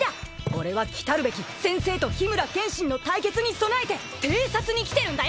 俺は来るべき先生と緋村剣心の対決に備えて偵察に来てるんだよ！